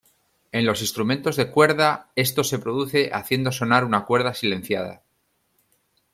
En los instrumentos de cuerda, esto se produce haciendo sonar una cuerda silenciada.